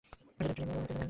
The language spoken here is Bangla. কেউ যদি একটু টিপে দিত।